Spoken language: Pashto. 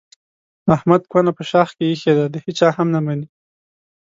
احمد کونه په شاخ کې ایښې ده د هېچا هم نه مني.